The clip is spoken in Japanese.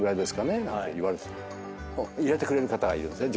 入れてくれる方がいるんですね